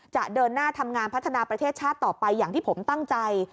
จะเดินหน้าทำงานพัฒนาประเทศชาติต่อไปอย่างที่ผมตั้งใจ